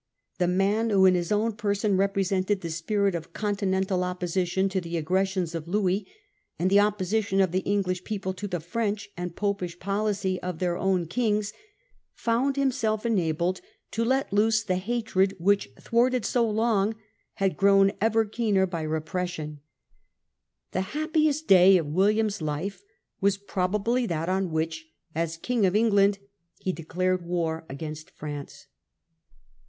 The man who in his own person represented the spirit of Continental opposition to the aggressions of Louis, and the opposition of the English people to the French and Popish policy of their own Kings, found himself enabled to let loose the hatred which, thwarted so long, had grown ever keener by 9 Conclusion . 267 repression. The happiest day of William's life was pro bably that on which, as King of England, he declared war against France.